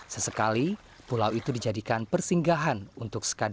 sesekali pulau itu dijadikan persinggahan untuk sekadar